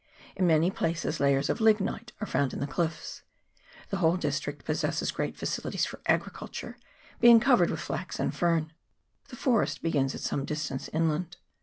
In many places layers of lignite are found in the cliffs. The whole district possesses great facilities for agriculture, being co vered with flax and fern. The forest begins at some distance inland.